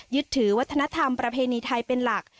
ยึดถือวัฒนธรรมประเพณีไทยเป็นหลัก